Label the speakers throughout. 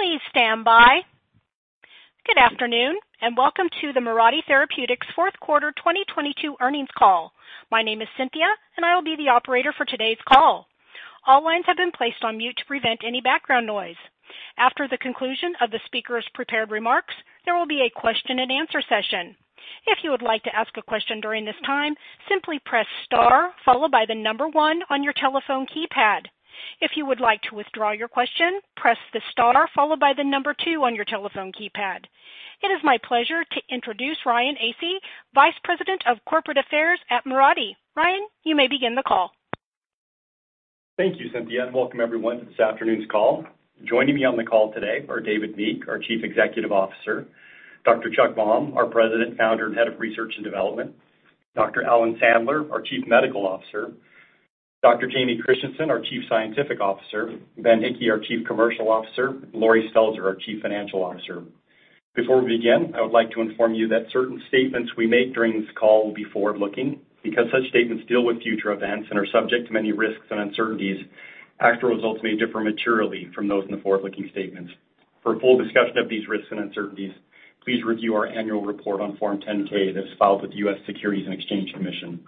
Speaker 1: Please stand by. Good afternoon, and welcome to the Mirati Therapeutics fourth quarter 2022 earnings call. My name is Cynthia, and I will be the operator for today's call. All lines have been placed on mute to prevent any background noise. After the conclusion of the speaker's prepared remarks, there will be a question-and-answer session. If you would like to ask a question during this time, simply press star followed by the number 1 on your telephone keypad. If you would like to withdraw your question, press the star followed by the number 2 on your telephone keypad. It is my pleasure to introduce Ryan Aase, Vice President of Corporate Affairs at Mirati. Ryan, you may begin the call.
Speaker 2: Thank you, Cynthia. Welcome everyone to this afternoon's call. Joining me on the call today are David Meek, our Chief Executive Officer, Dr. Chuck Baum, our President, Founder, and Head of Research and Development, Dr. Alan Sandler, our Chief Medical Officer, Dr. James Christensen, our Chief Scientific Officer, Ben Hickey, our Chief Commercial Officer, and Lori Stelzer, our Chief Financial Officer. Before we begin, I would like to inform you that certain statements we make during this call will be forward-looking, because such statements deal with future events and are subject to many risks and uncertainties. Actual results may differ materially from those in the forward-looking statements. For a full discussion of these risks and uncertainties, please review our annual report on Form 10-K that's filed with the U.S. Securities and Exchange Commission.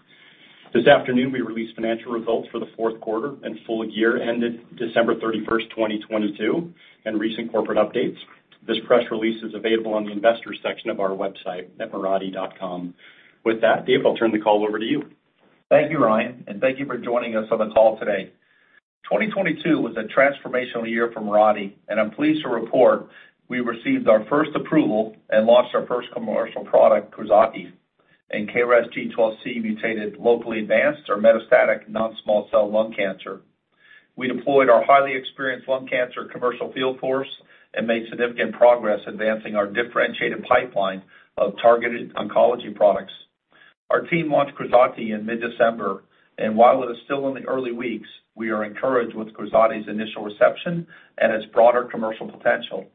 Speaker 2: This afternoon, we released financial results for the fourth quarter and full year ended December 31, 2022, and recent corporate updates. This press release is available on the investors section of our website at mirati.com. With that, David, I'll turn the call over to you.
Speaker 3: Thank you, Ryan, and thank you for joining us on the call today. 2022 was a transformational year for Mirati, and I'm pleased to report we received our first approval and launched our first commercial product, KRAZATI, in KRAS G12C mutated locally advanced or metastatic non-small cell lung cancer. We deployed our highly experienced lung cancer commercial field force and made significant progress advancing our differentiated pipeline of targeted oncology products. Our team launched KRAZATI in mid-December, and while it is still in the early weeks, we are encouraged with KRAZATI's initial reception and its broader commercial potential.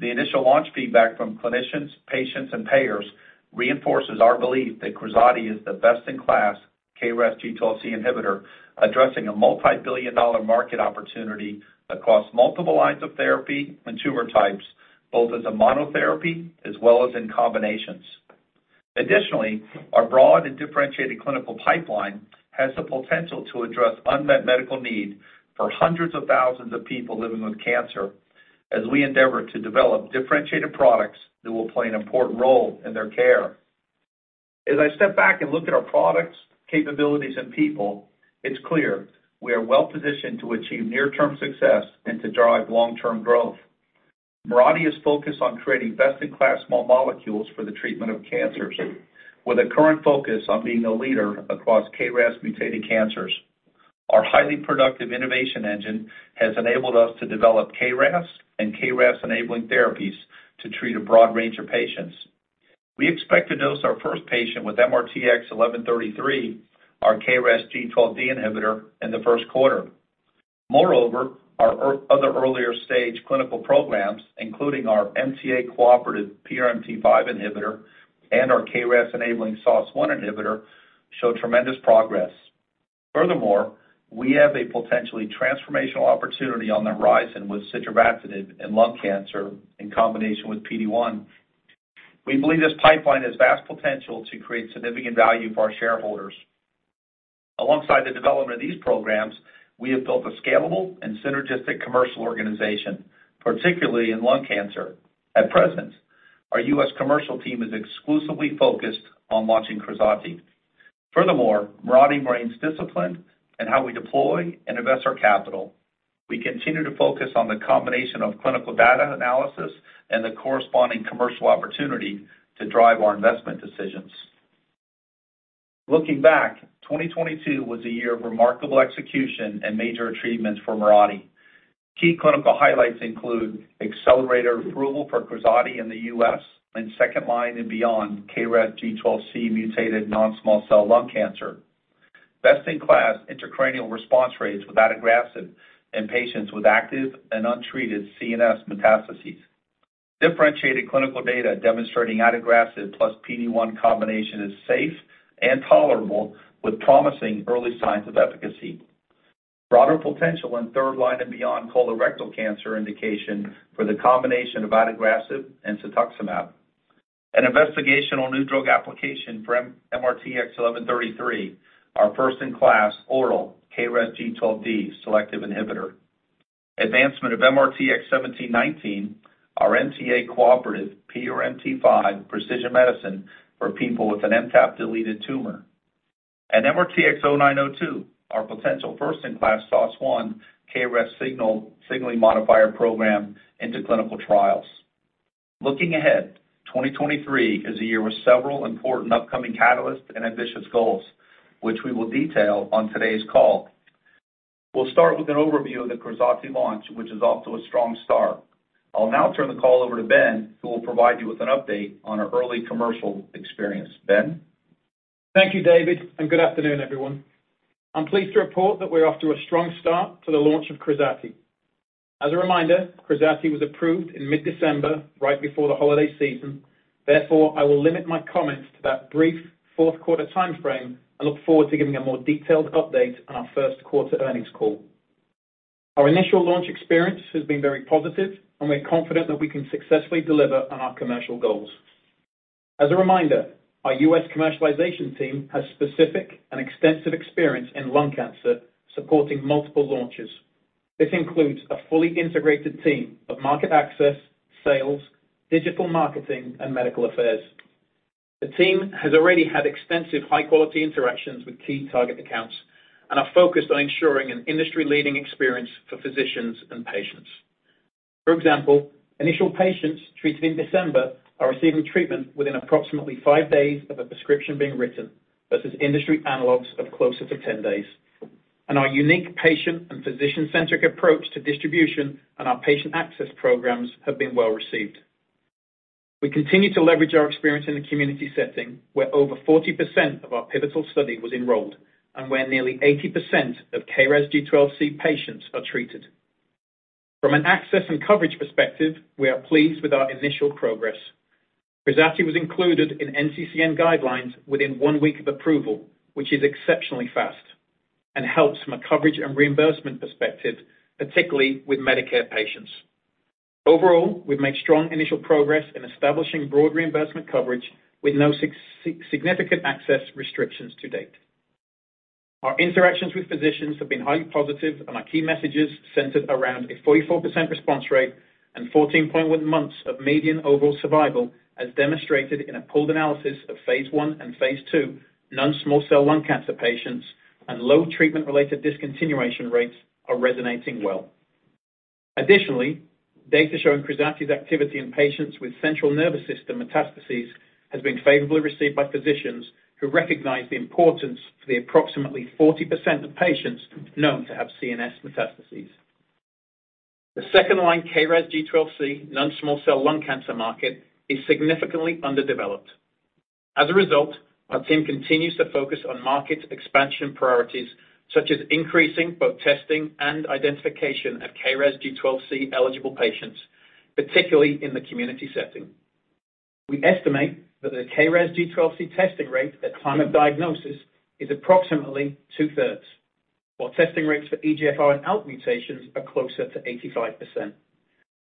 Speaker 3: The initial launch feedback from clinicians, patients, and payers reinforces our belief that KRAZATI is the best-in-class KRAS G12C inhibitor addressing a multi-billion-dollar market opportunity across multiple lines of therapy and tumor types, both as a monotherapy as well as in combinations. Additionally, our broad and differentiated clinical pipeline has the potential to address unmet medical need for hundreds of thousands of people living with cancer as we endeavor to develop differentiated products that will play an important role in their care. As I step back and look at our products, capabilities, and people, it's clear we are well-positioned to achieve near-term success and to drive long-term growth. Mirati is focused on creating best-in-class small molecules for the treatment of cancers, with a current focus on being a leader across KRAS-mutated cancers. Our highly productive innovation engine has enabled us to develop KRAS and KRAS-enabling therapies to treat a broad range of patients. We expect to dose our first patient with MRTX1133, our KRAS G12D inhibitor, in the first quarter. Moreover, our other earlier stage clinical programs, including our MTA-cooperative PRMT5 inhibitor and our KRAS-enabling SOS1 inhibitor, show tremendous progress. We have a potentially transformational opportunity on the horizon with sitravatinib in lung cancer in combination with PD-1. We believe this pipeline has vast potential to create significant value for our shareholders. Alongside the development of these programs, we have built a scalable and synergistic commercial organization, particularly in lung cancer. At present, our U.S. commercial team is exclusively focused on launching KRAZATI. Mirati remains disciplined in how we deploy and invest our capital. We continue to focus on the combination of clinical data analysis and the corresponding commercial opportunity to drive our investment decisions. Looking back, 2022 was a year of remarkable execution and major achievements for Mirati. Key clinical highlights include accelerated approval for KRAZATI in the U.S. in second line and beyond KRASG12C-mutated non-small cell lung cancer, best-in-class intracranial response rates with adagrasib in patients with active and untreated CNS metastases, differentiated clinical data demonstrating adagrasib plus PD-1 combination is safe and tolerable with promising early signs of efficacy, broader potential in third line and beyond colorectal cancer indication for the combination of adagrasib and cetuximab, an investigational new drug application for MRTX1133, our first-in-class oral KRASG12D selective inhibitor, advancement of MRTX1719, our MTA-cooperative PRMT5 precision medicine for people with an MTAP-deleted tumor, and MRTX0902, our potential first-in-class SOS1 KRAS signaling modifier program into clinical trials. Looking ahead, 2023 is a year with several important upcoming catalysts and ambitious goals, which we will detail on today's call. We'll start with an overview of the KRAZATI launch, which is off to a strong start. I'll now turn the call over to Ben, who will provide you with an update on our early commercial experience. Ben?
Speaker 1: Thank you, David, and good afternoon, everyone. I'm pleased to report that we're off to a strong start to the launch of KRAZATI. As a reminder, KRAZATI was approved in mid-December, right before the holiday season.
Speaker 4: Therefore, I will limit my comments to that brief fourth quarter time frame. I look forward to giving a more detailed update on our first quarter earnings call. Our initial launch experience has been very positive, and we're confident that we can successfully deliver on our commercial goals. As a reminder, our U.S. commercialization team has specific and extensive experience in lung cancer, supporting multiple launches. This includes a fully integrated team of market access, sales, digital marketing, and medical affairs. The team has already had extensive high-quality interactions with key target accounts and are focused on ensuring an industry-leading experience for physicians and patients. For example, initial patients treated in December are receiving treatment within approximately five days of a prescription being written, versus industry analogs of closer to 10 days. Our unique patient and physician-centric approach to distribution and our patient access programs have been well received. We continue to leverage our experience in the community setting, where over 40% of our pivotal study was enrolled, and where nearly 80% of KRAS G12C patients are treated. From an access and coverage perspective, we are pleased with our initial progress. KRAZATI was included in NCCN guidelines within 1 week of approval, which is exceptionally fast and helps from a coverage and reimbursement perspective, particularly with Medicare patients. Overall, we've made strong initial progress in establishing broad reimbursement coverage with no significant access restrictions to date. Our interactions with physicians have been highly positive, and our key messages centered around a 44% response rate and 14.1 months of median overall survival, as demonstrated in a pooled analysis of phase 1 and phase 2 non-small cell lung cancer patients and low treatment-related discontinuation rates are resonating well. Additionally, data showing KRAZATI's activity in patients with central nervous system metastases has been favorably received by physicians who recognize the importance for the approximately 40% of patients known to have CNS metastases. The second-line KRAS G12C non-small cell lung cancer market is significantly underdeveloped. As a result, our team continues to focus on market expansion priorities, such as increasing both testing and identification of KRAS G12C-eligible patients, particularly in the community setting. We estimate that the KRAS G12C testing rate at time of diagnosis is approximately 2/3, while testing rates for EGFR and ALK mutations are closer to 85%.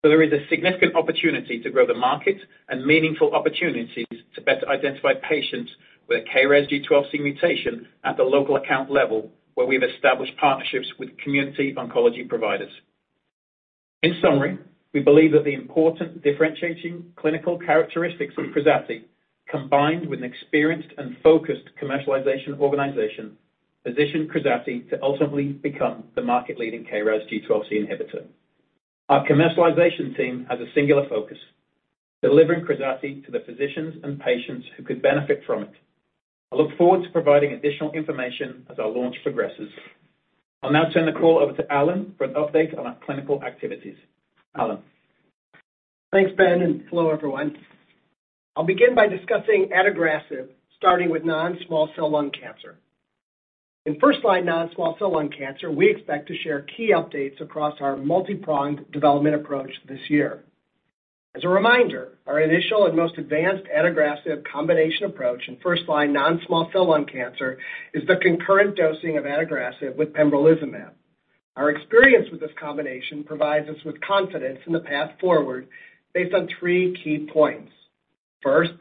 Speaker 4: There is a significant opportunity to grow the market and meaningful opportunities to better identify patients with a KRAS G12C mutation at the local account level, where we've established partnerships with community oncology providers. In summary, we believe that the important differentiating clinical characteristics of KRAZATI, combined with an experienced and focused commercialization organization, position KRAZATI to ultimately become the market-leading KRAS G12C inhibitor. Our commercialization team has a singular focus: delivering KRAZATI to the physicians and patients who could benefit from it. I look forward to providing additional information as our launch progresses. I'll now turn the call over to Alan for an update on our clinical activities. Alan.
Speaker 5: Thanks, Ben, and hello, everyone. I'll begin by discussing adagrasib, starting with non-small cell lung cancer. In first-line non-small cell lung cancer, we expect to share key updates across our multi-pronged development approach this year. As a reminder, our initial and most advanced adagrasib combination approach in first-line non-small cell lung cancer is the concurrent dosing of adagrasib with pembrolizumab. Our experience with this combination provides us with confidence in the path forward based on three key points. First,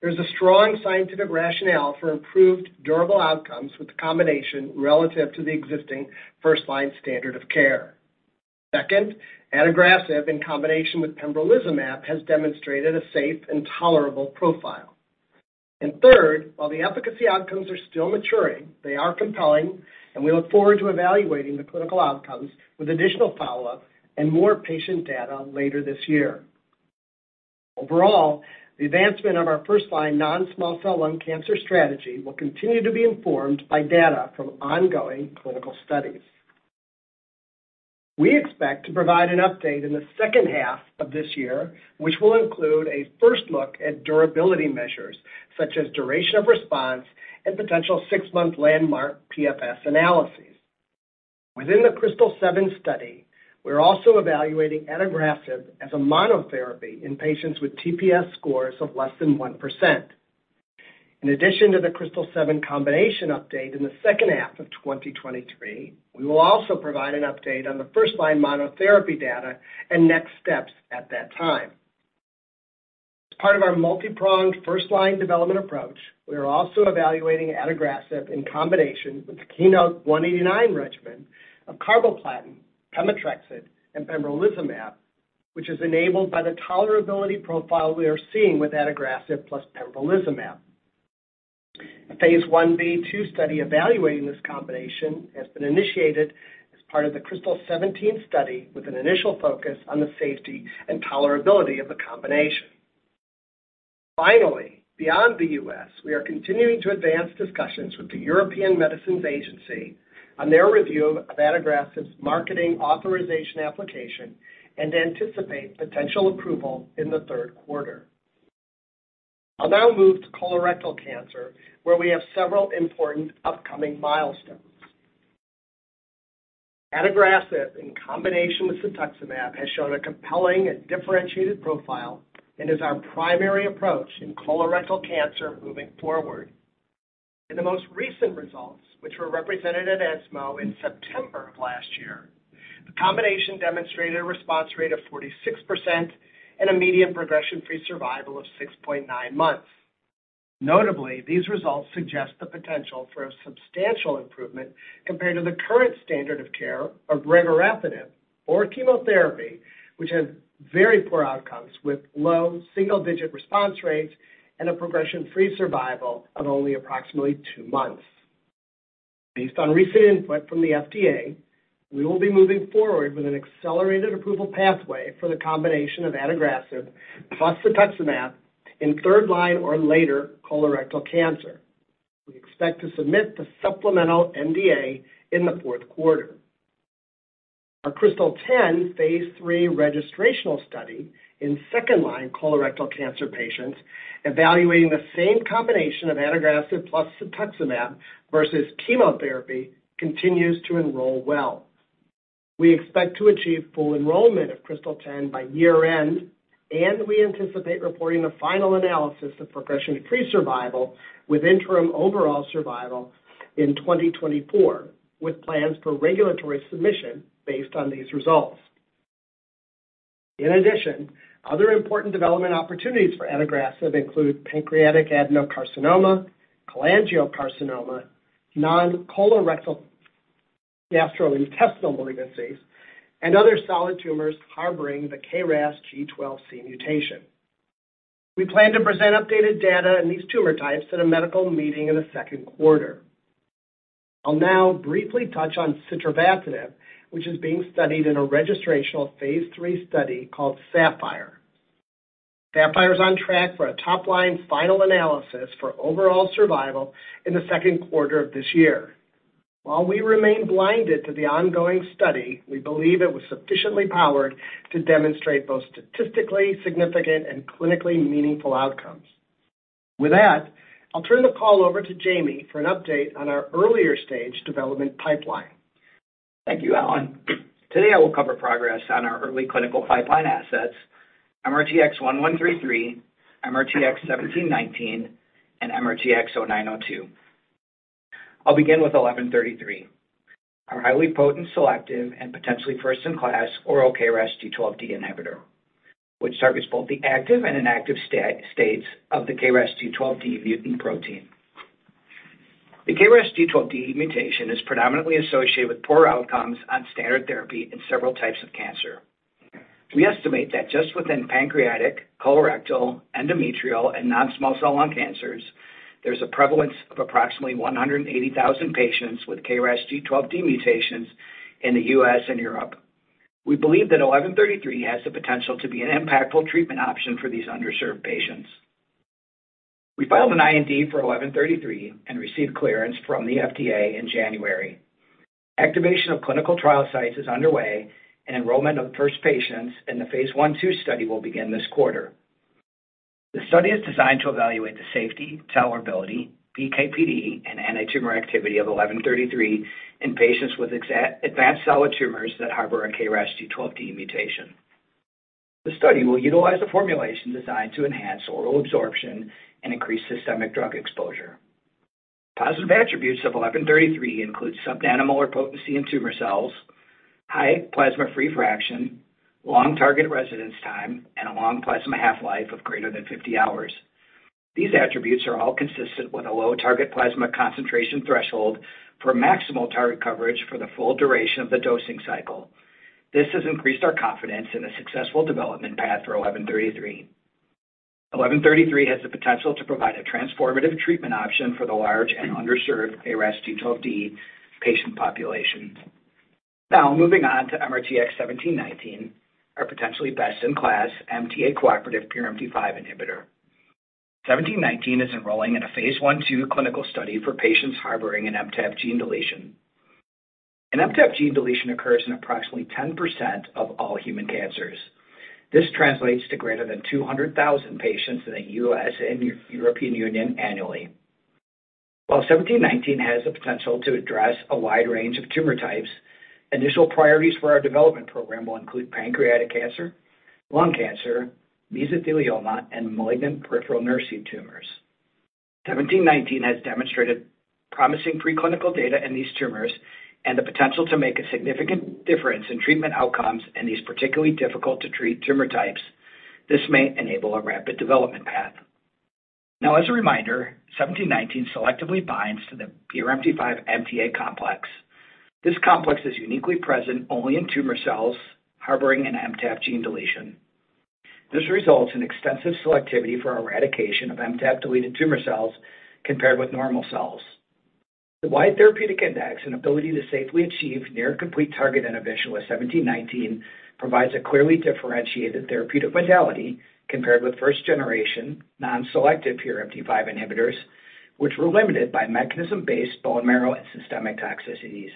Speaker 5: there's a strong scientific rationale for improved durable outcomes with the combination relative to the existing first-line standard of care. Second, adagrasib in combination with pembrolizumab has demonstrated a safe and tolerable profile. Third, while the efficacy outcomes are still maturing, they are compelling, and we look forward to evaluating the clinical outcomes with additional follow-up and more patient data later this year. Overall, the advancement of our first-line non-small cell lung cancer strategy will continue to be informed by data from ongoing clinical studies. We expect to provide an update in the second half of this year, which will include a first look at durability measures, such as duration of response and potential 6-month landmark PFS analyses. Within the KRYSTAL-7 study, we're also evaluating adagrasib as a monotherapy in patients with TPS scores of less than 1%. In addition to the KRYSTAL-7 combination update in the second half of 2023, we will also provide an update on the first-line monotherapy data and next steps at that time. As part of our multi-pronged first-line development approach, we are also evaluating adagrasib in combination with the KEYNOTE-189 regimen of carboplatin, pemetrexed, and pembrolizumab, which is enabled by the tolerability profile we are seeing with adagrasib plus pembrolizumab. A Phase 1B/2 study evaluating this combination has been initiated as part of the KRYSTAL-17 study with an initial focus on the safety and tolerability of the combination. Finally, beyond the U.S., we are continuing to advance discussions with the European Medicines Agency on their review of adagrasib's marketing authorisation application and anticipate potential approval in the 3rd quarter. I'll now move to colorectal cancer, where we have several important upcoming milestones. Adagrasib, in combination with cetuximab, has shown a compelling and differentiated profile and is our primary approach in colorectal cancer moving forward. In the most recent results, which were represented at ESMO in September of last year, the combination demonstrated a response rate of 46% and a median progression-free survival of 6.9 months. Notably, these results suggest the potential for a substantial improvement compared to the current standard of care of regorafenib or chemotherapy, which has very poor outcomes with low single-digit response rates and a progression-free survival of only approximately 2 months. Based on recent input from the FDA, we will be moving forward with an accelerated approval pathway for the combination of adagrasib plus cetuximab in third line or later colorectal cancer. We expect to submit the supplemental NDA in the fourth quarter. Our KRYSTAL-10, phase 3 registrational study in second-line colorectal cancer patients evaluating the same combination of adagrasib plus cetuximab versus chemotherapy continues to enroll well. We expect to achieve full enrollment of KRYSTAL-10 by year-end, and we anticipate reporting the final analysis of progression-free survival with interim overall survival in 2024, with plans for regulatory submission based on these results. In addition, other important development opportunities for adagrasib include pancreatic adenocarcinoma, cholangiocarcinoma, non-colorectal gastrointestinal malignancies, and other solid tumors harboring the KRAS G12C mutation. We plan to present updated data in these tumor types at a medical meeting in the second quarter. I'll now briefly touch on sitravatinib, which is being studied in a registrational phase 3 study called SAPPHIRE. SAPPHIRE is on track for a top-line final analysis for overall survival in the second quarter of this year. While we remain blinded to the ongoing study, we believe it was sufficiently powered to demonstrate both statistically significant and clinically meaningful outcomes. With that, I'll turn the call over to Jamie for an update on our earlier stage development pipeline.
Speaker 6: Thank you, Alan. Today, I will cover progress on our early clinical pipeline assets, MRTX1133, MRTX1719, and MRTX0902. I'll begin with 1133. Our highly potent, selective and potentially first-in-class oral KRAS G12D inhibitor, which targets both the active and inactive states of the KRAS G12D mutant protein. The KRAS G12D mutation is predominantly associated with poor outcomes on standard therapy in several types of cancer. We estimate that just within pancreatic, colorectal, endometrial, and non-small cell lung cancers, there's a prevalence of approximately 180,000 patients with KRAS G12D mutations in the U.S. and Europe. We believe that 1133 has the potential to be an impactful treatment option for these underserved patients. We filed an IND for 1133 and received clearance from the FDA in January. Activation of clinical trial sites is underway. Enrollment of first patients in the phase 1/2 study will begin this quarter. The study is designed to evaluate the safety, tolerability, PK/PD, and antitumor activity of 1133 in patients with advanced solid tumors that harbor a KRAS G12D mutation. The study will utilize a formulation designed to enhance oral absorption and increase systemic drug exposure. Positive attributes of 1133 include subnanomolar potency in tumor cells, high plasma free fraction, long target residence time, and a long plasma half-life of greater than 50 hours. These attributes are all consistent with a low target plasma concentration threshold for maximal target coverage for the full duration of the dosing cycle. This has increased our confidence in a successful development path for 1133. Eleven Thirty-three has the potential to provide a transformative treatment option for the large and underserved KRAS G12D patient population. Moving on to MRTX1719, our potentially best-in-class MTA-cooperative PRMT5 inhibitor. Seventeen Nineteen is enrolling in a phase one two clinical study for patients harboring an MTAP gene deletion. An MTAP gene deletion occurs in approximately 10% of all human cancers. This translates to greater than 200,000 patients in the U.S. and European Union annually. While Seventeen Nineteen has the potential to address a wide range of tumor types, initial priorities for our development program will include pancreatic cancer, lung cancer, mesothelioma, and malignant peripheral nerve sheath tumors. Seventeen Nineteen has demonstrated promising preclinical data in these tumors and the potential to make a significant difference in treatment outcomes in these particularly difficult to treat tumor types. This may enable a rapid development path. As a reminder, MRTX1719 selectively binds to the PRMT5 MTA complex. This complex is uniquely present only in tumor cells harboring an MTAP gene deletion. This results in extensive selectivity for eradication of MTAP-deleted tumor cells compared with normal cells. The wide therapeutic index and ability to safely achieve near complete target inhibition with MRTX1719 provides a clearly differentiated therapeutic modality compared with first generation non-selective PRMT5 inhibitors, which were limited by mechanism-based bone marrow and systemic toxicities.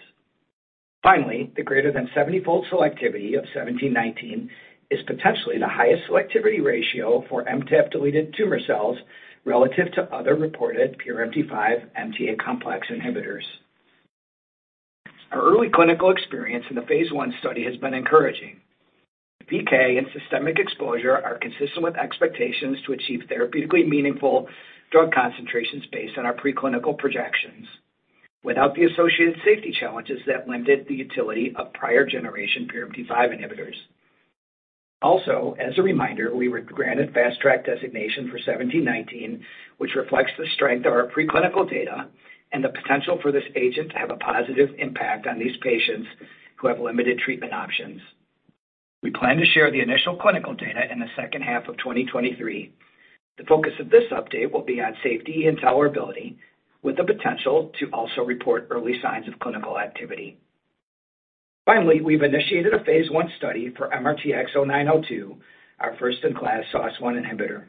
Speaker 6: The greater than 70-fold selectivity of MRTX1719 is potentially the highest selectivity ratio for MTAP-deleted tumor cells relative to other reported PRMT5 MTA complex inhibitors. Our early clinical experience in the Phase 1 study has been encouraging. PK and systemic exposure are consistent with expectations to achieve therapeutically meaningful drug concentrations based on our preclinical projections without the associated safety challenges that limited the utility of prior generation PRMT5 inhibitors. Also, as a reminder, we were granted fast track designation for 1719, which reflects the strength of our preclinical data and the potential for this agent to have a positive impact on these patients who have limited treatment options. We plan to share the initial clinical data in the second half of 2023. The focus of this update will be on safety and tolerability, with the potential to also report early signs of clinical activity. Finally, we've initiated a Phase I study for MRTX0902, our first-in-class SOS1 inhibitor.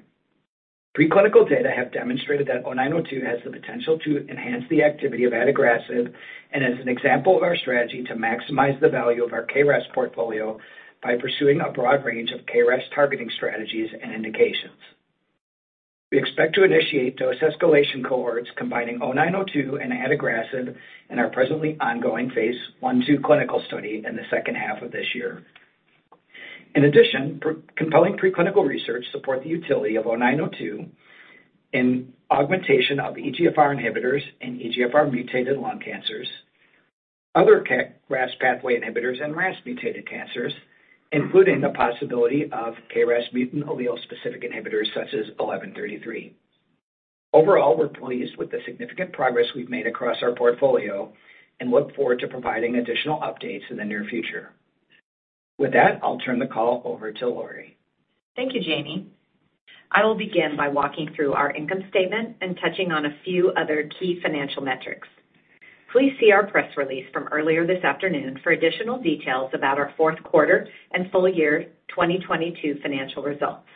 Speaker 6: Preclinical data have demonstrated that O Nine O Two has the potential to enhance the activity of adagrasib and is an example of our strategy to maximize the value of our KRAS portfolio by pursuing a broad range of KRAS targeting strategies and indications. We expect to initiate dose escalation cohorts combining O Nine O Two and adagrasib in our presently ongoing phase I/II clinical study in the second half of this year. Compelling preclinical research support the utility of O Nine O Two in augmentation of EGFR inhibitors in EGFR-mutated lung cancers, other KRAS pathway inhibitors, and RAS-mutated cancers, including the possibility of KRAS mutant allele-specific inhibitors such as Eleven Thirty-Three. Overall, we're pleased with the significant progress we've made across our portfolio and look forward to providing additional updates in the near future. With that, I'll turn the call over to Lori.
Speaker 7: Thank you, Jamie. I will begin by walking through our income statement and touching on a few other key financial metrics. Please see our press release from earlier this afternoon for additional details about our fourth quarter and full year 2022 financial results.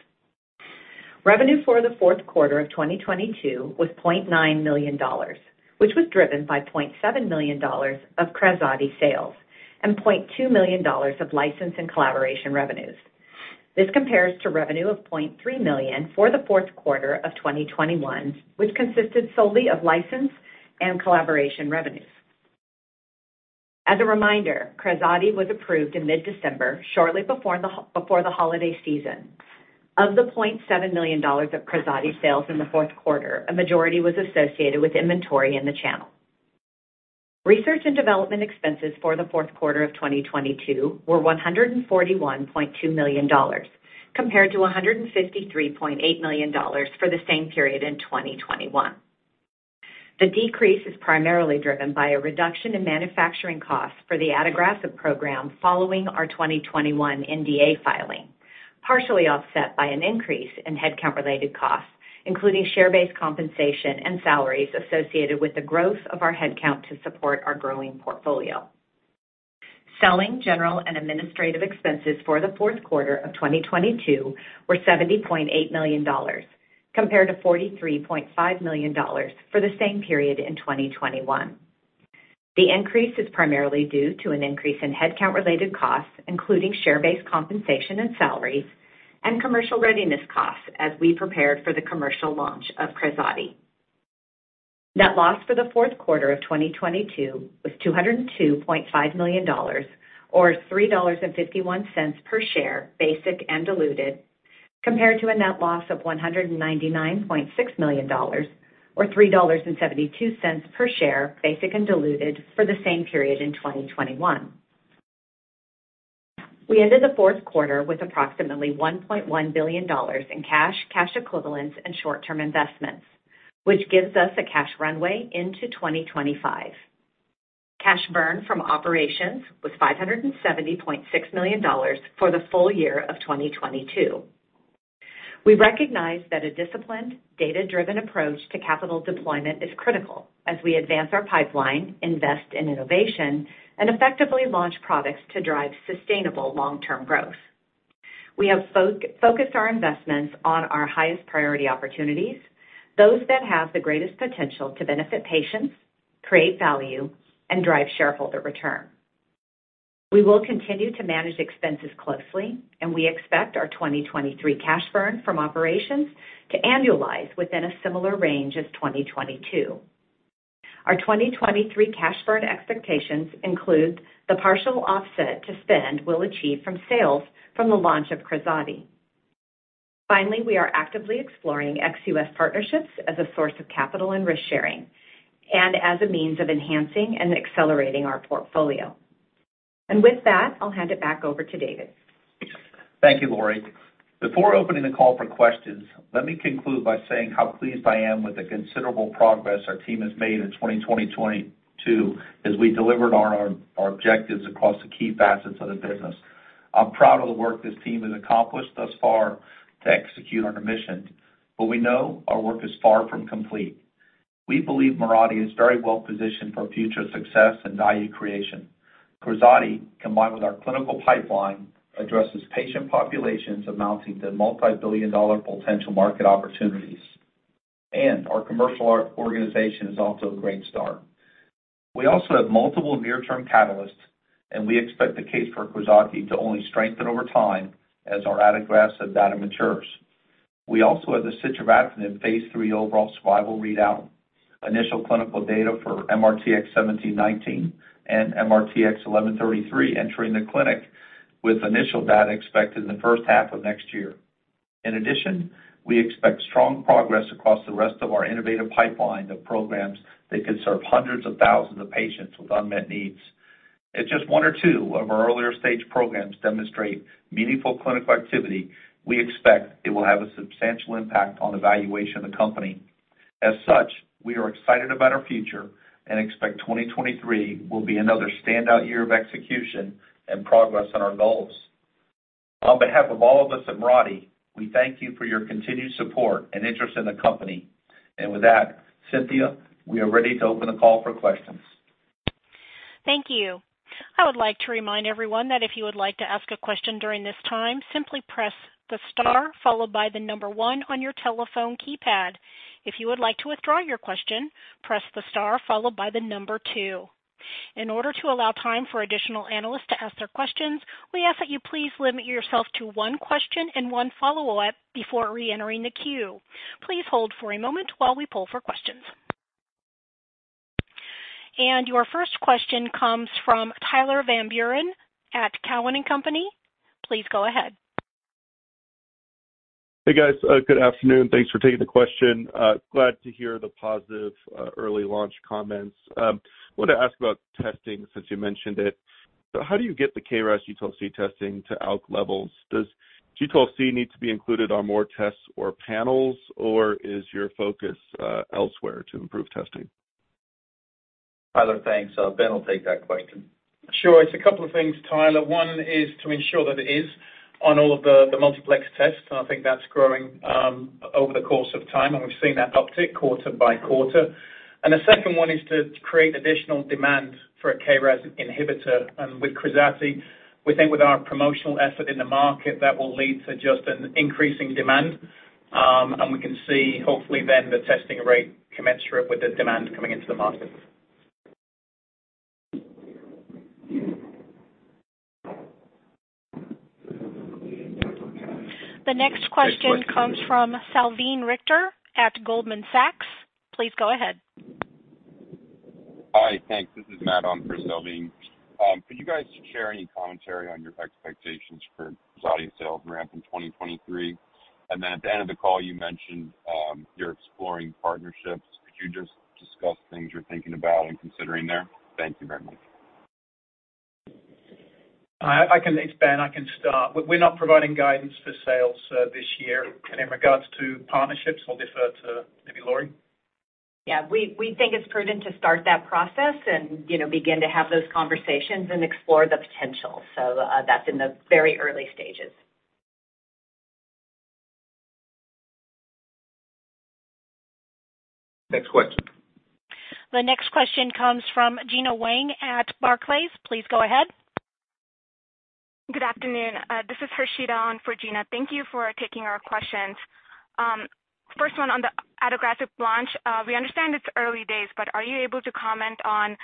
Speaker 7: Revenue for the fourth quarter of 2022 was $0.9 million, which was driven by $0.7 million of KRAZATI sales and $0.2 million of license and collaboration revenues. This compares to revenue of $0.3 million for the fourth quarter of 2021, which consisted solely of license and collaboration revenues. As a reminder, KRAZATI was approved in mid-December, shortly before the holiday season. Of the $0.7 million of KRAZATI sales in the fourth quarter, a majority was associated with inventory in the channel. Research and development expenses for the fourth quarter of 2022 were $141.2 million, compared to $153.8 million for the same period in 2021. The decrease is primarily driven by a reduction in manufacturing costs for the adagrasib program following our 2021 NDA filing, partially offset by an increase in headcount-related costs, including share-based compensation and salaries associated with the growth of our headcount to support our growing portfolio. Selling, general, and administrative expenses for the fourth quarter of 2022 were $70.8 million compared to $43.5 million for the same period in 2021. The increase is primarily due to an increase in headcount-related costs, including share-based compensation and salaries, and commercial readiness costs as we prepared for the commercial launch of KRAZATI. Net loss for the fourth quarter of 2022 was $202.5 million or $3.51 per share, basic and diluted, compared to a net loss of $199.6 million or $3.72 per share, basic and diluted, for the same period in 2021. We ended the fourth quarter with approximately $1.1 billion in cash equivalents, and short-term investments, which gives us a cash runway into 2025. Cash burn from operations was $570.6 million for the full year of 2022. We recognize that a disciplined, data-driven approach to capital deployment is critical as we advance our pipeline, invest in innovation, and effectively launch products to drive sustainable long-term growth. We have focused our investments on our highest priority opportunities, those that have the greatest potential to benefit patients, create value, and drive shareholder return. We will continue to manage expenses closely, and we expect our 2023 cash burn from operations to annualize within a similar range as 2022. Our 2023 cash burn expectations include the partial offset to spend we'll achieve from sales from the launch of KRAZATI. Finally, we are actively exploring ex-U.S. partnerships as a source of capital and risk-sharing, and as a means of enhancing and accelerating our portfolio. With that, I'll hand it back over to David.
Speaker 6: Thank you, Lori. Before opening the call for questions, let me conclude by saying how pleased I am with the considerable progress our team has made in 2022 as we delivered on our objectives across the key facets of the business. I'm proud of the work this team has accomplished thus far to execute on our mission, we know our work is far from complete. We believe Mirati is very well positioned for future success and value creation. KRAZATI, combined with our clinical pipeline, addresses patient populations amounting to multibillion-dollar potential market opportunities. Our commercial organization is off to a great start. We also have multiple near-term catalysts. We expect the case for KRAZATI to only strengthen over time as our adagrasib data matures.
Speaker 3: We also have the sitravatinib phase 3 overall survival readout, initial clinical data for MRTX1719 and MRTX1133 entering the clinic with initial data expected in the first half of next year. We expect strong progress across the rest of our innovative pipeline of programs that could serve hundreds of thousands of patients with unmet needs. If just one or two of our earlier-stage programs demonstrate meaningful clinical activity, we expect it will have a substantial impact on the valuation of the company. We are excited about our future and expect 2023 will be another standout year of execution and progress on our goals. On behalf of all of us at Mirati, we thank you for your continued support and interest in the company. Cynthia, we are ready to open the call for questions.
Speaker 1: Thank you. I would like to remind everyone that if you would like to ask a question during this time, simply press the star followed by the number one on your telephone keypad. If you would like to withdraw your question, press the star followed by the number two. In order to allow time for additional analysts to ask their questions, we ask that you please limit yourself to one question and one follow-up before reentering the queue. Please hold for a moment while we pull for questions. Your first question comes from Tyler Van Buren at Cowen and Company. Please go ahead.
Speaker 8: Hey, guys. Good afternoon. Thanks for taking the question. Glad to hear the positive early launch comments. Want to ask about testing since you mentioned it. How do you get the KRAS G12C testing to ALK levels? Does G12C need to be included on more tests or panels, or is your focus elsewhere to improve testing?
Speaker 3: Tyler, thanks. Ben will take that question.
Speaker 4: Sure. It's a couple of things, Tyler. One is to ensure that it is on all of the multiplex tests, and I think that's growing over the course of time, and we've seen that uptick quarter by quarter. The second one is to create additional demand for a KRAS inhibitor. With KRAZATI, we think with our promotional effort in the market, that will lead to just an increasing demand, and we can see hopefully then the testing rate commensurate with the demand coming into the market.
Speaker 1: The next question comes from Salveen Richter at Goldman Sachs. Please go ahead.
Speaker 9: Hi. Thanks. This is Matt on for Salveen. Could you guys share any commentary on your expectations for KRAZATI sales ramp in 2023? Then at the end of the call, you mentioned, you're exploring partnerships. Could you just discuss things you're thinking about and considering there? Thank you very much.
Speaker 4: It's Ben. I can start. We're not providing guidance for sales, this year. In regards to partnerships, I'll defer to maybe Laurie.
Speaker 7: Yeah. We think it's prudent to start that process and, you know, begin to have those conversations and explore the potential. That's in the very early stages.
Speaker 9: Next question.
Speaker 1: The next question comes from Gena Wang at Barclays. Please go ahead.
Speaker 10: Good afternoon. This is Hershita on for Gena. Thank you for taking our questions. First one on the adagrasib launch. We understand it's early days, but are you able to comment on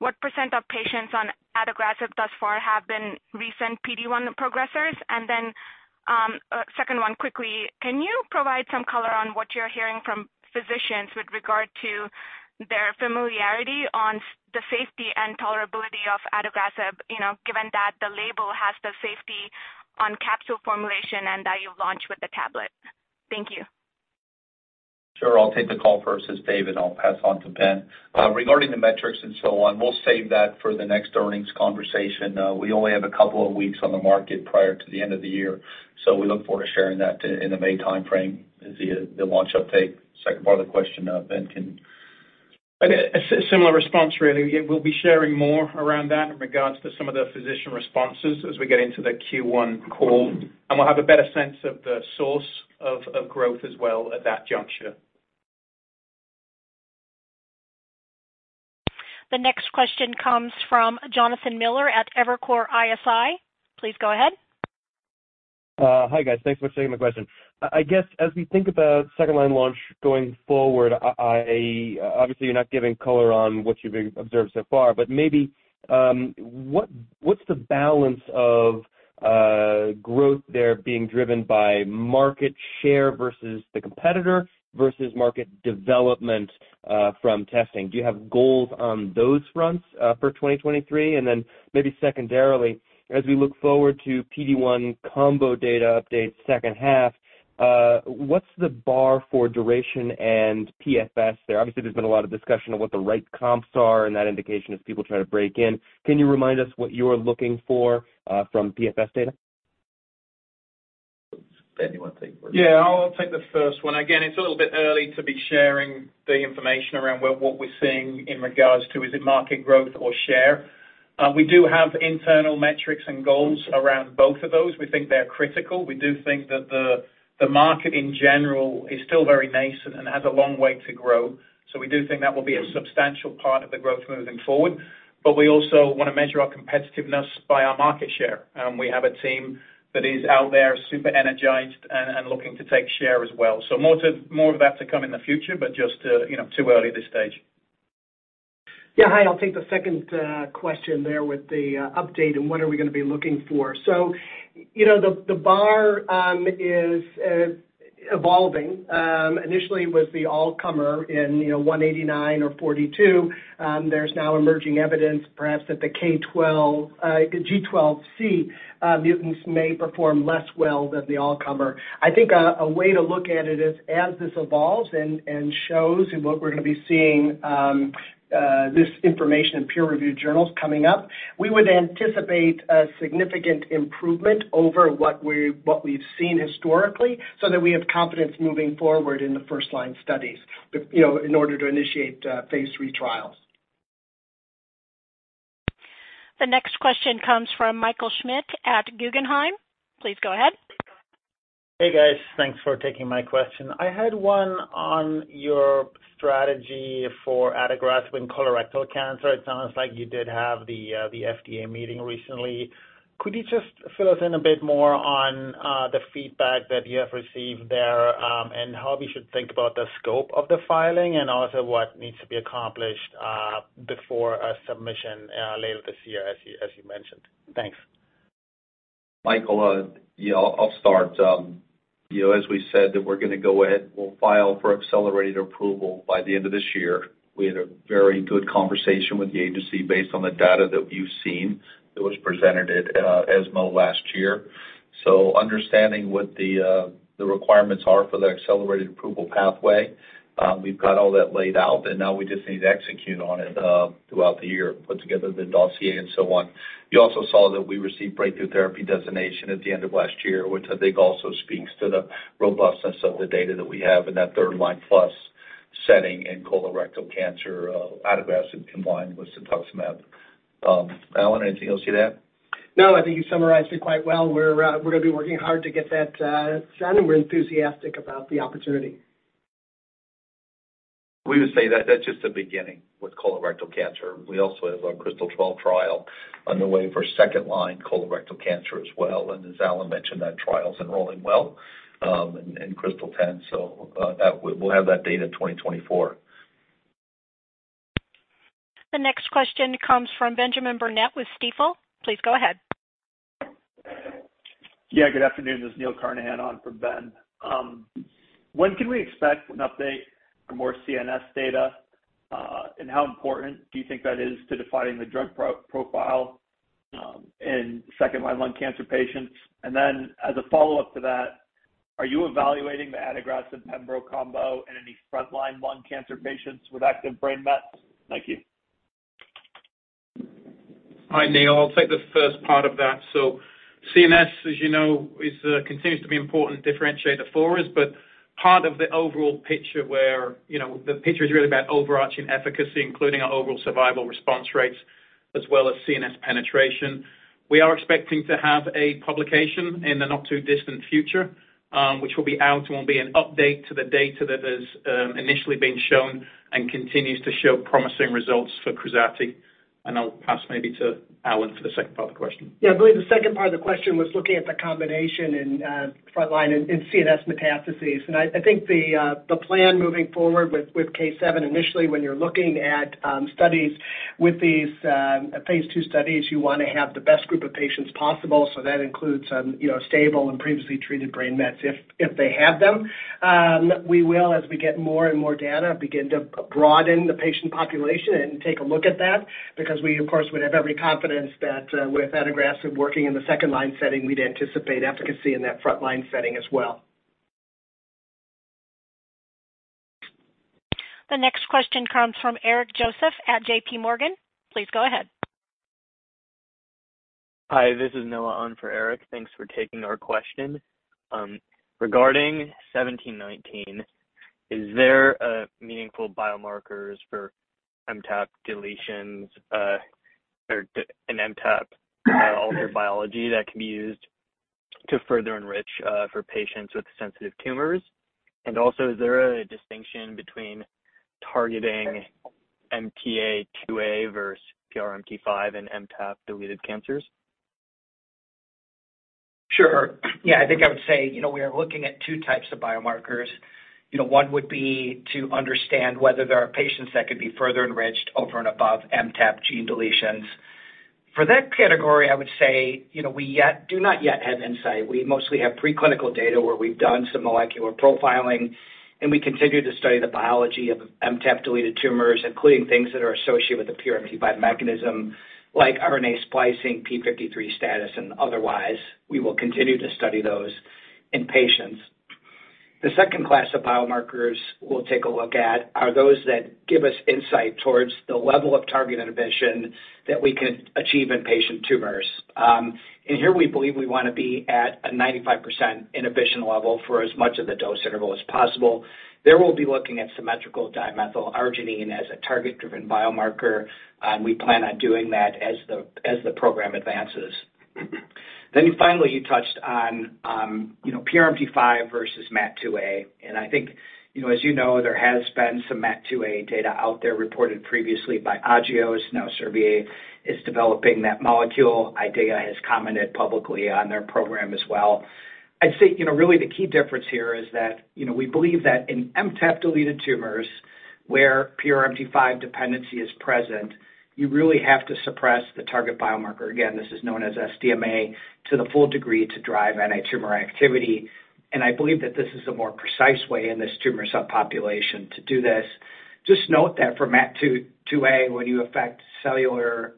Speaker 10: what percent of patients on adagrasib thus far have been recent PD-1 progressors? Second one quickly, can you provide some color on what you're hearing from physicians with regard to their familiarity on the safety and tolerability of adagrasib, you know, given that the label has the safety on capsule formulation and that you've launched with the tablet? Thank you.
Speaker 3: Sure. I'll take the call first as Dave. I'll pass on to Ben. Regarding the metrics and so on, we'll save that for the next earnings conversation. We only have a couple of weeks on the market prior to the end of the year. We look forward to sharing that in the May timeframe to see the launch uptake. Second part of the question, Ben.
Speaker 4: A similar response, really. We'll be sharing more around that in regards to some of the physician responses as we get into the Q1 call. We'll have a better sense of the source of growth as well at that juncture.
Speaker 1: The next question comes from Jonathan Miller at Evercore ISI. Please go ahead.
Speaker 11: Hi, guys. Thanks for taking my question. I guess as we think about second line launch going forward, obviously you're not giving color on what you've observed so far, but maybe, what's the balance of growth there being driven by market share versus the competitor versus market development from testing? Do you have goals on those fronts for 2023? Then maybe secondarily, as we look forward to PD-1 combo data update second half, what's the bar for duration and PFS there? Obviously, there's been a lot of discussion on what the right comps are and that indication as people try to break in. Can you remind us what you're looking for from PFS data?
Speaker 3: Ben, you wanna take it?
Speaker 4: Yeah, I'll take the first one. Again, it's a little bit early to be sharing the information around what we're seeing in regards to is it market growth or share. We do have internal metrics and goals around both of those. We think they are critical. We do think that the market in general is still very nascent and has a long way to grow. We do think that will be a substantial part of the growth moving forward. We also wanna measure our competitiveness by our market share, and we have a team that is out there super energized and looking to take share as well. More of that to come in the future, but just, you know, too early this stage.
Speaker 5: Yeah. Hi. I'll take the second question there with the update and what are we gonna be looking for. you know, the bar is evolving. Initially it was the all-comer in, you know, 189 or 42. There's now emerging evidence perhaps that the G12C mutants may perform less well than the all-comer. I think a way to look at it is as this evolves and shows and what we're gonna be seeing, this information in peer review journals coming up, we would anticipate a significant improvement over what we've seen historically so that we have confidence moving forward in the first line studies, you know, in order to initiate phase 3 trials.
Speaker 1: The next question comes from Michael Schmidt at Guggenheim. Please go ahead.
Speaker 12: Hey, guys. Thanks for taking my question. I had one on your strategy for adagrasib in colorectal cancer. It sounds like you did have the FDA meeting recently. Could you just fill us in a bit more on the feedback that you have received there, and how we should think about the scope of the filing and also what needs to be accomplished before a submission later this year as you mentioned? Thanks.
Speaker 3: Michael, yeah, I'll start. You know, as we said that we're gonna go ahead, we'll file for accelerated approval by the end of this year. We had a very good conversation with the agency based on the data that you've seen that was presented at ESMO last year. Understanding what the requirements are for the accelerated approval pathway, we've got all that laid out, and now we just need to execute on it throughout the year, put together the dossier and so on. You also saw that we received breakthrough therapy designation at the end of last year, which I think also speaks to the robustness of the data that we have in that third line plus setting in colorectal cancer, adagrasib combined with cetuximab. Alan, anything else to that?
Speaker 5: No, I think you summarized it quite well. We're, we're gonna be working hard to get that done, and we're enthusiastic about the opportunity.
Speaker 3: We would say that that's just the beginning with colorectal cancer. We also have our KRYSTAL-12 trial underway for second line colorectal cancer as well. As Alan mentioned, that trial's enrolling well in KRYSTAL-10. We'll have that data in 2024.
Speaker 1: The next question comes from Benjamin Burnett with Stifel. Please go ahead.
Speaker 13: Yeah, good afternoon. This is Neil Carnahan on for Ben. When can we expect an update for more CNS data, and how important do you think that is to defining the drug profile, in second line lung cancer patients? As a follow-up to that, are you evaluating the adagrasib pembro combo in any front line lung cancer patients with active brain mets? Thank you.
Speaker 4: Hi, Neil. I'll take the first part of that. CNS, as you know, continues to be important differentiator for us, but part of the overall picture where, you know, the picture is really about overarching efficacy, including our overall survival response rates as well as CNS penetration. We are expecting to have a publication in the not too distant future, which will be out and will be an update to the data that has initially been shown and continues to show promising results for KRAZATI. I'll pass maybe to Alan for the second part of the question.
Speaker 5: I believe the second part of the question was looking at the combination in frontline in CNS metastases. I think the plan moving forward with KRYSTAL-7 initially when you're looking at studies with these phase 2 studies, you wanna have the best group of patients possible. That includes, you know, stable and previously treated brain mets if they have them. We will as we get more and more data, begin to broaden the patient population and take a look at that because we of course would have every confidence that with adagrasib working in the second line setting, we'd anticipate efficacy in that frontline setting as well.
Speaker 1: The next question comes from Eric Joseph at JPMorgan. Please go ahead.
Speaker 14: Hi, this is Noah on for Eric. Thanks for taking our question. Regarding MRTX1719, is there meaningful biomarkers for MTAP deletions or an MTAP alter biology that can be used to further enrich for patients with sensitive tumors? Is there a distinction between targeting MAT2A versus PRMT5 and MTAP-deleted cancers?
Speaker 5: Sure. Yeah. I think I would say, you know, we are looking at 2 types of biomarkers. You know, one would be to understand whether there are patients that could be further enriched over and above MTAP gene deletions. For that category, I would say, you know, we yet do not yet have insight. We mostly have preclinical data where we've done some molecular profiling, and we continue to study the biology of MTAP deleted tumors, including things that are associated with the PRMT5 mechanism like RNA splicing, P53 status, and otherwise we will continue to study those in patients. The second class of biomarkers we'll take a look at are those that give us insight towards the level of target inhibition that we could achieve in patient tumors. Here we believe we wanna be at a 95% inhibition level for as much of the dose interval as possible. There we'll be looking at symmetrical dimethylarginine as a target driven biomarker, and we plan on doing that as the program advances. Finally you touched on, you know, PRMT5 versus MAT2A. I think, you know, as you know, there has been some MAT2A data out there reported previously by Agios. Now Servier is developing that molecule. IDEAYA has commented publicly on their program as well.
Speaker 6: I'd say, you know, really the key difference here is that, you know, we believe that in MTAP-deleted tumors where PRMT5 dependency is present, you really have to suppress the target biomarker, again, this is known as SDMA, to the full degree to drive antitumor activity. I believe that this is a more precise way in this tumor subpopulation to do this. Just note that for MAT2A, when you affect cellular,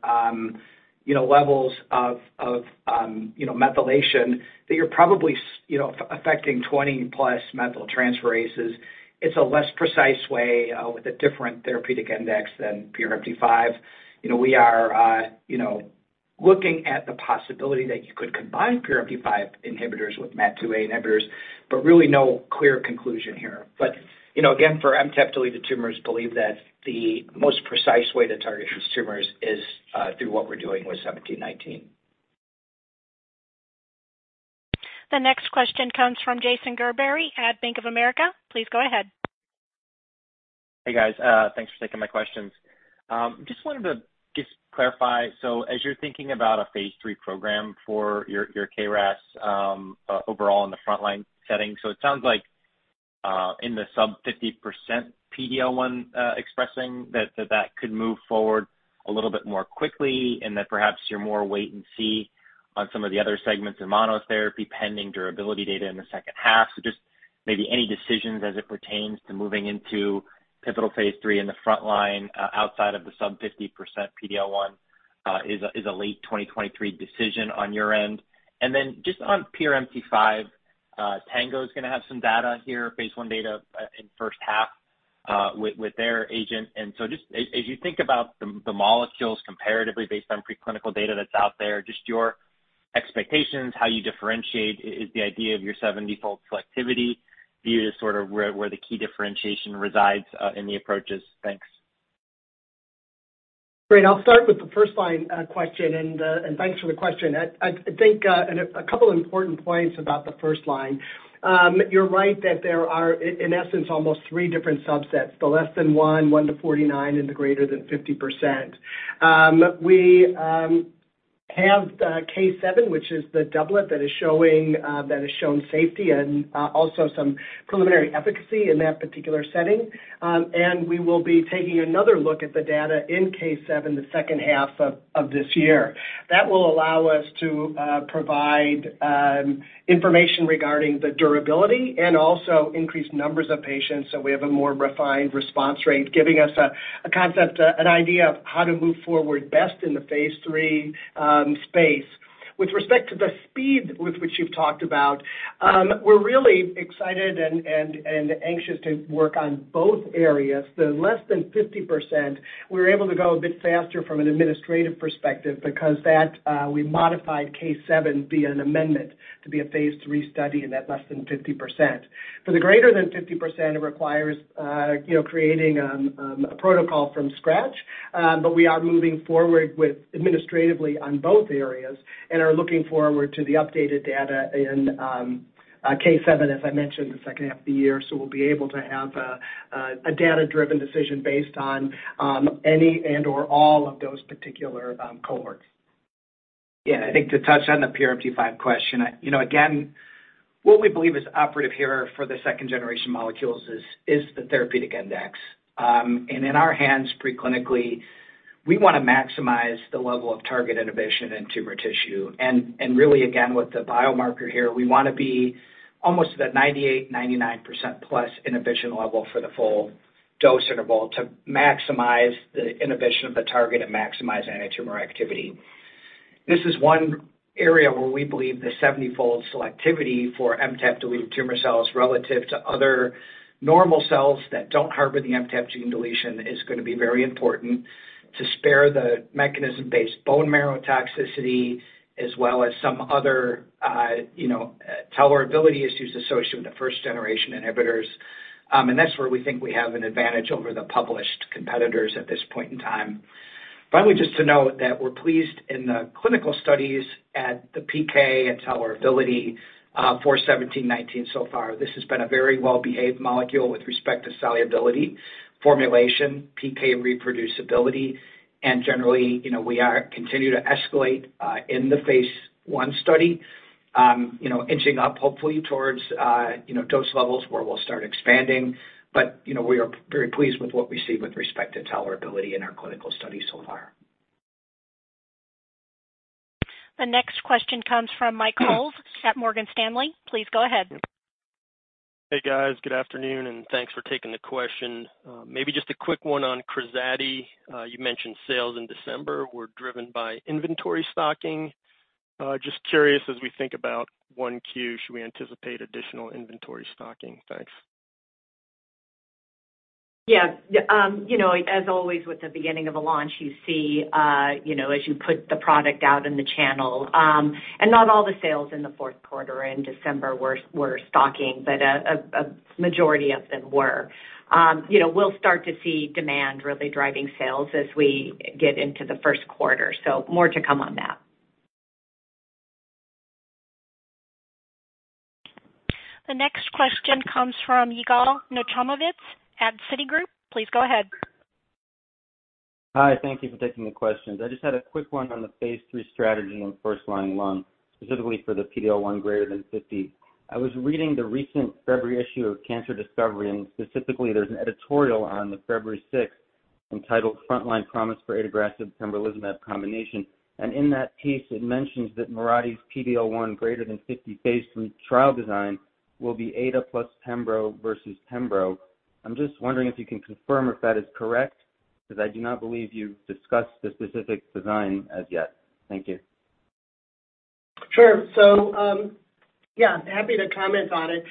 Speaker 6: you know, levels of, you know, methylation, that you're probably, you know, affecting 20-plus methyltransferases. It's a less precise way, with a different therapeutic index than PRMT5. You know, we are, you know, looking at the possibility that you could combine PRMT5 inhibitors with MAT2A inhibitors, but really no clear conclusion here. you know, again, for MTAP-deleted tumors believe that the most precise way to target these tumors is through what we're doing with Seventeen Nineteen.
Speaker 1: The next question comes from Jason Gerberry at Bank of America. Please go ahead.
Speaker 15: Hey, guys. Thanks for taking my questions. Just wanted to just clarify. As you're thinking about a phase 3 program for your KRAS, overall in the frontline setting. It sounds like in the sub 50% PDL1, expressing that could move forward a little bit more quickly and that perhaps you're more wait and see on some of the other segments in monotherapy pending durability data in the second half. Just maybe any decisions as it pertains to moving into pivotal phase 3 in the frontline, outside of the sub 50% PDL1, is a late 2023 decision on your end. Then just on PRMT5, Tango's gonna have some data here, phase 1 data, in first half, with their agent. Just as you think about the molecules comparatively based on preclinical data that's out there, just your expectations, how you differentiate, is the idea of your seventyfold selectivity view to sort of where the key differentiation resides in the approaches? Thanks.
Speaker 5: Great. I'll start with the first line question, and thanks for the question. I think a couple important points about the first line. You're right that there are in essence almost 3 different subsets, the less than 1-49, and the greater than 50%. We have the KRYSTAL-7, which is the doublet that is showing that has shown safety and also some preliminary efficacy in that particular setting. We will be taking another look at the data in KRYSTAL-7 the second half of this year. That will allow us to provide information regarding the durability and also increased numbers of patients, so we have a more refined response rate, giving us a concept, an idea of how to move forward best in the phase 3 space. With respect to the speed with which you've talked about, we're really excited and anxious to work on both areas. The less than 50%, we're able to go a bit faster from an administrative perspective because that, we modified KRYSTAL-7 via an amendment to be a phase 3 study in that less than 50%. For the greater than 50%, it requires, you know, creating a protocol from scratch. We are moving forward with administratively on both areas and are looking forward to the updated data in KRYSTAL-7, as I mentioned, the second half of the year. We'll be able to have a data-driven decision based on any and/or all of those particular cohorts.
Speaker 6: Yeah. I think to touch on the PRMT5 question, you know, again, what we believe is operative here for the second generation molecules is the therapeutic index. In our hands preclinically, we wanna maximize the level of target inhibition in tumor tissue. Really, again, with the biomarker here, we wanna be almost at 98%-99% plus inhibition level for the full dose interval to maximize the inhibition of the target and maximize antitumor activity. This is one area where we believe the 70-fold selectivity for MTAP-deleted tumor cells relative to other normal cells that don't harbor the MTAP gene deletion is gonna be very important to spare the mechanism-based bone marrow toxicity, as well as some other, you know, tolerability issues associated with the first generation inhibitors. That's where we think we have an advantage over the published competitors at this point in time. Finally, just to note that we're pleased in the clinical studies at the PK and tolerability for MRTX1719 so far. This has been a very well-behaved molecule with respect to solubility, formulation, PK reproducibility. Generally, you know, we are continue to escalate in the phase 1 study, you know, inching up hopefully towards, you know, dose levels where we'll start expanding. You know, we are very pleased with what we see with respect to tolerability in our clinical study so far.
Speaker 1: The next question comes from Michael Yee at Morgan Stanley. Please go ahead.
Speaker 16: Hey, guys. Good afternoon, thanks for taking the question. Maybe just a quick one on KRAZATI. You mentioned sales in December were driven by inventory stocking. Just curious, as we think about 1Q, should we anticipate additional inventory stocking? Thanks.
Speaker 5: Yeah. you know, as always with the beginning of a launch, you see, you know, as you put the product out in the channel, and not all the sales in the fourth quarter and December were stocking, but a majority of them were. you know, we'll start to see demand really driving sales as we get into the first quarter. More to come on that.
Speaker 1: The next question comes from Yigal Nochomovitz at Citigroup. Please go ahead.
Speaker 17: Hi, thank you for taking the questions. I just had a quick one on the phase three strategy on first-line lung, specifically for the PDL1 greater than 50. I was reading the recent February issue of Cancer Discovery. Specifically, there's an editorial on the February 6th entitled Front Line Promise for Adagrasib-pembrolizumab Combination. In that piece, it mentions that Mirati's PDL1 greater than 50 phase three trial design will be ADA plus pembro versus pembro. I'm just wondering if you can confirm if that is correct because I do not believe you've discussed the specific design as yet. Thank you.
Speaker 3: Sure. Yeah, happy to comment on it.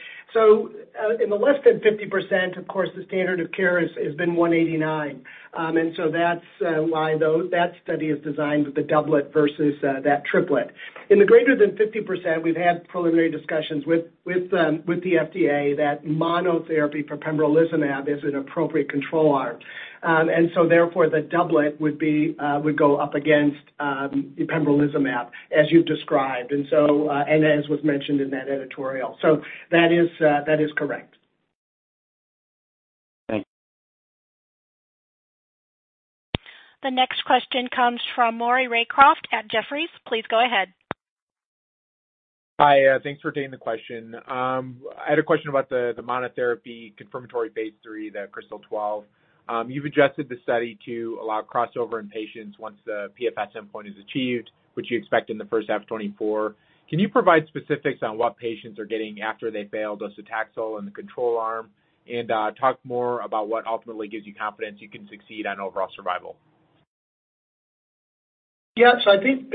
Speaker 3: In the less than 50%, of course, the standard of care has been KEYNOTE-189. That's why that study is designed with the doublet versus that triplet. In the greater than 50%, we've had preliminary discussions with the FDA that monotherapy for pembrolizumab is an appropriate control arm. Therefore, the doublet would go up against the pembrolizumab, as you've described. And as was mentioned in that editorial. That is correct.
Speaker 17: Thanks.
Speaker 1: The next question comes from Maury Raycroft at Jefferies. Please go ahead.
Speaker 18: Hi, thanks for taking the question. I had a question about the monotherapy confirmatory phase 3, the KRYSTAL-12. You've adjusted the study to allow crossover in patients once the PFS endpoint is achieved, which you expect in the first half 2024. Can you provide specifics on what patients are getting after they fail docetaxel in the control arm, and talk more about what ultimately gives you confidence you can succeed on overall survival?
Speaker 3: Yeah. I think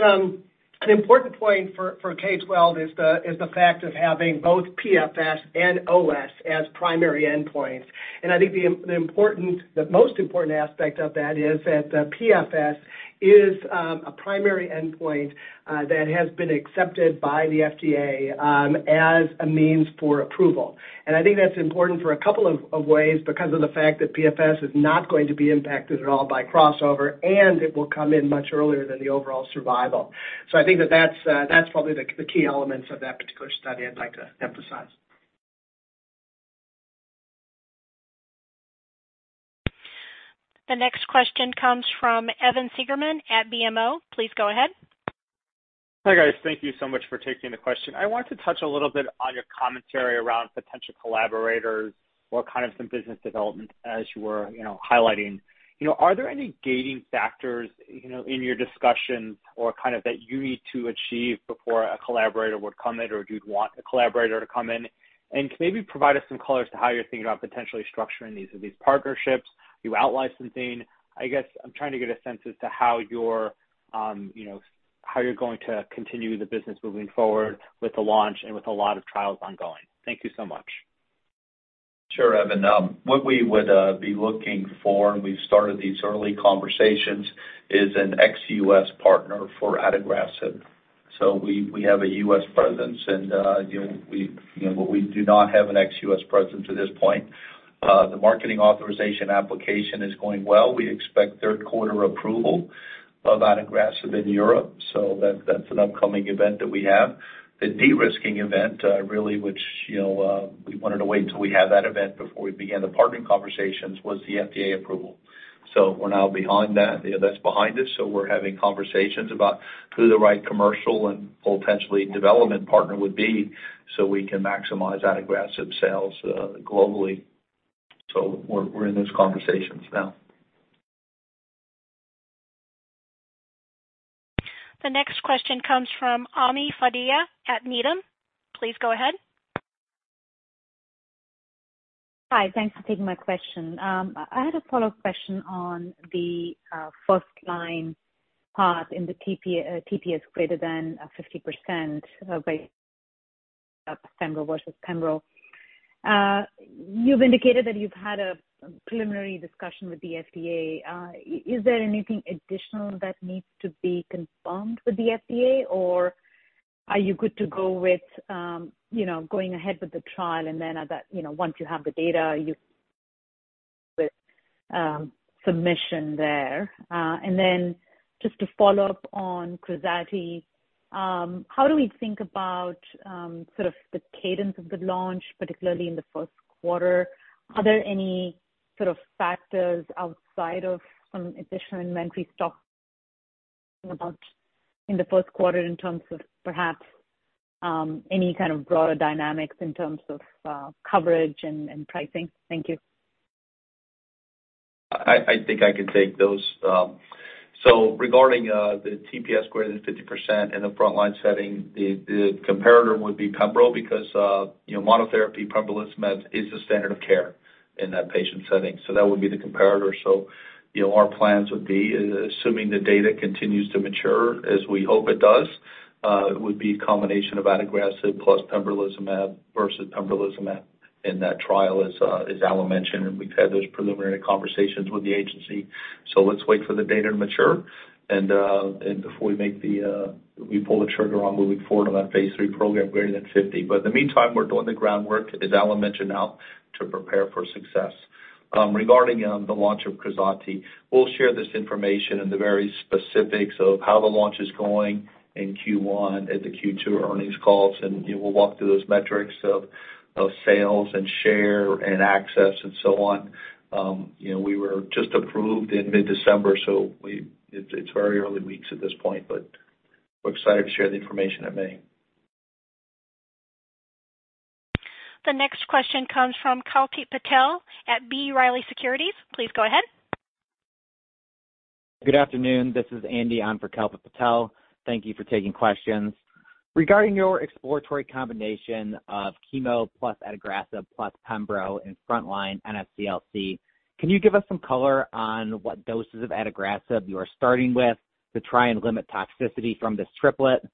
Speaker 3: an important point for KRYSTAL-12 is the fact of having both PFS and OS as primary endpoints. I think the most important aspect of that is that PFS is a primary endpoint that has been accepted by the FDA as a means for approval. I think that's important for a couple of ways because of the fact that PFS is not going to be impacted at all by crossover, and it will come in much earlier than the overall survival. I think that that's probably the key elements of that particular study I'd like to emphasize.
Speaker 1: The next question comes from Evan Seigerman at BMO. Please go ahead.
Speaker 19: Hi, guys. Thank you so much for taking the question. I want to touch a little bit on your commentary around potential collaborators or kind of some business development as you were, you know, highlighting. You know, are there any gating factors, you know, in your discussions or kind of that you need to achieve before a collaborator would come in or you'd want a collaborator to come in? Can you maybe provide us some color as to how you're thinking about potentially structuring these partnerships through out-licensing? I guess I'm trying to get a sense as to how you're, you know, how you're going to continue the business moving forward with the launch and with a lot of trials ongoing. Thank you so much.
Speaker 3: Sure, Evan. What we would be looking for, and we've started these early conversations, is an ex-US partner for adagrasib. We have a US presence and, you know, we, you know, but we do not have an ex-US presence at this point. The marketing authorisation application is going well. We expect 3rd quarter approval of adagrasib in Europe, that's an upcoming event that we have. The de-risking event, really, which, you know, we wanted to wait until we had that event before we began the partnering conversations, was the FDA approval. We're now behind that. You know, that's behind us, we're having conversations about who the right commercial and potentially development partner would be so we can maximize adagrasib sales globally. We're in those conversations now.
Speaker 1: The next question comes from Ami Fadia at Needham. Please go ahead.
Speaker 17: Hi. Thanks for taking my question. I had a follow-up question on the first-line path in the TP, TPS greater than 50%, by pembro versus pembro. Is there anything additional that needs to be confirmed with the FDA, or are you good to go with, you know, going ahead with the trial and then at that, you know, once you have the data, you with submission there? Just to follow up on KRAZATI, how do we think about sort of the cadence of the launch, particularly in the first quarter? Are there any sort of factors outside of some additional inventory stock about in the first quarter in terms of perhaps any kind of broader dynamics in terms of coverage and pricing? Thank you.
Speaker 3: I think I can take those. Regarding the TPS greater than 50% in the frontline setting, the comparator would be pembro because, you know, monotherapy pembrolizumab is the standard of care in that patient setting, that would be the comparator. You know, our plans would be, assuming the data continues to mature as we hope it does, it would be a combination of adagrasib plus pembrolizumab versus pembrolizumab in that trial, as Alan mentioned, and we've had those preliminary conversations with the agency. Let's wait for the data to mature and before we make the, we pull the trigger on moving forward on that phase 3 program greater than 50. In the meantime, we're doing the groundwork, as Alan mentioned, now to prepare for success. Regarding, the launch of KRAZATI, we'll share this information and the very specifics of how the launch is going in Q1 at the Q2 earnings calls, and, you know, we'll walk through those metrics of sales and share and access and so on. You know, we were just approved in mid-December, so it's very early weeks at this point, but
Speaker 20: We're excited to share the information at May.
Speaker 1: The next question comes from Kalpit Patel at B. Riley Securities. Please go ahead.
Speaker 21: Good afternoon. This is Andy on for Kalpit Patel. Thank you for taking questions. Regarding your exploratory combination of chemo plus adagrasib plus pembro in frontline NSCLC, can you give us some color on what doses of adagrasib you are starting with to try and limit toxicity from this triplet?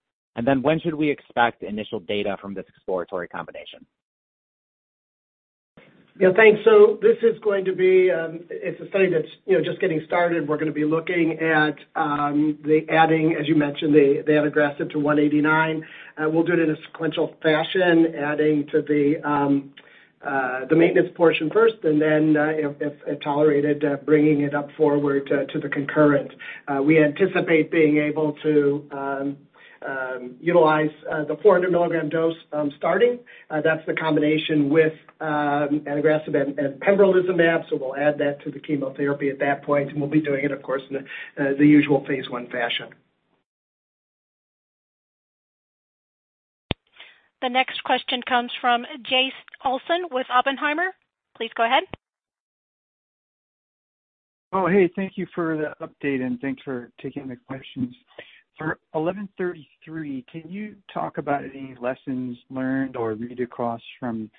Speaker 21: When should we expect initial data from this exploratory combination?
Speaker 20: Yeah, thanks. It's a study that's, you know, just getting started. We're gonna be looking at the adding, as you mentioned, the adagrasib to 189. We'll do it in a sequential fashion, adding to the maintenance portion first, then, if tolerated, bringing it up forward to the concurrent. We anticipate being able to utilize the 400 milligram dose starting. That's the combination with adagrasib and pembrolizumab, so we'll add that to the chemotherapy at that point, and we'll be doing it, of course, in the usual phase 1 fashion.
Speaker 1: The next question comes from Jace Olsen with Oppenheimer. Please go ahead.
Speaker 22: Oh, hey, thank you for the update, and thanks for taking the questions. For MRTX1133, can you talk about any lessons learned or read across from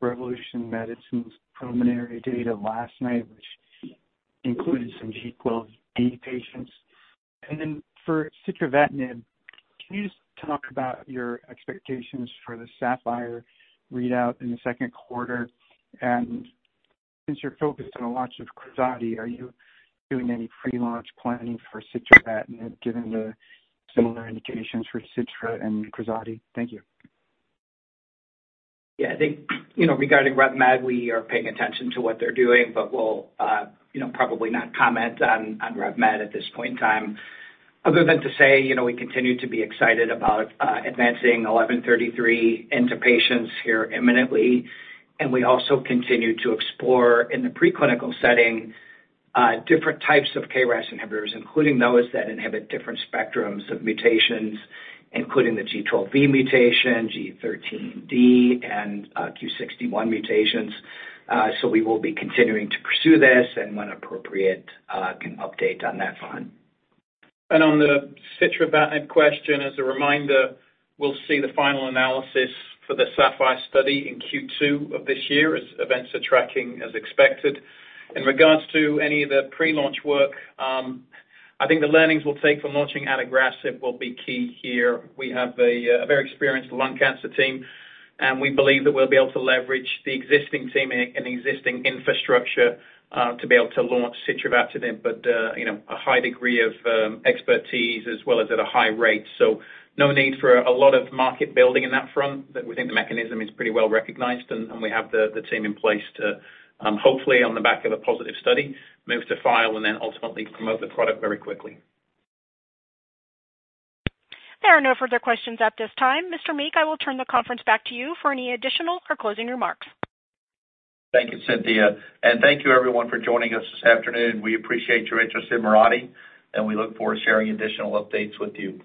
Speaker 22: Revolution Medicines' preliminary data last night, which included some G12D patients? Then for sitravatinib, can you just talk about your expectations for the SAPPHIRE readout in the second quarter? Since you're focused on the launch of KRAZATI, are you doing any pre-launch planning for sitravatinib, given the similar indications for sitravatinib and KRAZATI? Thank you.
Speaker 6: Yeah, I think, you know, regarding RevMed, we are paying attention to what they're doing, but we'll, you know, probably not comment on RevMed at this point in time, other than to say, you know, we continue to be excited about advancing MRTX1133 into patients here imminently. We also continue to explore in the preclinical setting, different types of KRAS inhibitors, including those that inhibit different spectrums of mutations, including the G12V mutation, G13D, and Q61 mutations. We will be continuing to pursue this and when appropriate, can update on that front.
Speaker 20: On the sitravatinib question, as a reminder, we'll see the final analysis for the SAPPHIRE study in Q2 of this year as events are tracking as expected. In regards to any of the pre-launch work, I think the learnings we'll take from launching adagrasib will be key here. We have a very experienced lung cancer team, and we believe that we'll be able to leverage the existing team and existing infrastructure to be able to launch sitravatinib, you know, a high degree of expertise as well as at a high rate. No need for a lot of market building in that front. We think the mechanism is pretty well-recognized, and we have the team in place to hopefully on the back of a positive study, move to file and then ultimately promote the product very quickly.
Speaker 1: There are no further questions at this time. Mr. Meek, I will turn the conference back to you for any additional or closing remarks.
Speaker 20: Thank you, Cynthia. Thank you everyone for joining us this afternoon. We appreciate your interest in Mirati, and we look forward to sharing additional updates with you.